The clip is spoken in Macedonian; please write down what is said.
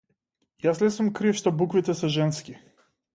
Јас ли сум крив што буквите се женски?